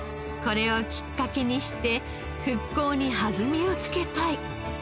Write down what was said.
これをきっかけにして復興に弾みをつけたい。